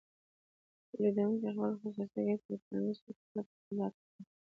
تولیدونکی خپلې خصوصي ګټې له ټولنیزو ګټو سره په تضاد کې ویني